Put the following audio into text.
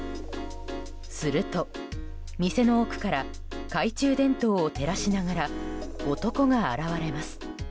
すると店の奥から懐中電灯を照らしながら男が現れます。